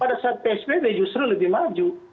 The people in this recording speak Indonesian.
pada saat psbb justru lebih maju